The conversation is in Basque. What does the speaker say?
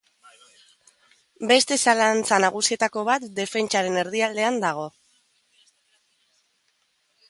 Beste zalantza nagusietako bat defentsaren erdialdean dago.